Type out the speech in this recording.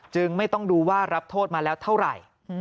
ไม่ต้องดูว่ารับโทษมาแล้วเท่าไหร่